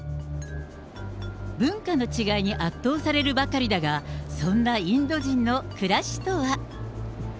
文化の違いに圧倒されるばかりだが、そんなインド人の暮らしとは？